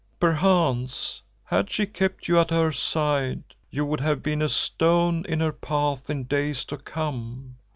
Perchance, had she kept you at her side, you would have been a stone in her path in days to come.